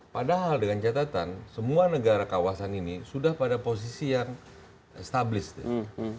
padahal dengan catatan semua negara kawasan ini sudah pada posisi yang established